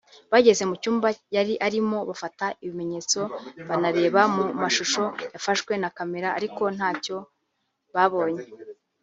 bageze mu cyumba yari arimo bafata ibimenyetso banareba mu mashusho yafashwe na Camera ariko ntacyo babonye